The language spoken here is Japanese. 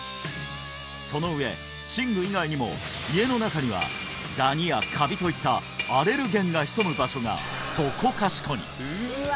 その上寝具以外にも家の中にはダニやカビといったアレルゲンが潜む場所がそこかしこに！